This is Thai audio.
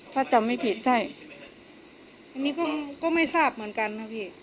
ถ้าจำไม่ผิดใช่อันนี้ก็ไม่ทราบเหมือนกันนะพี่